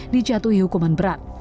dijatuhi hukuman berat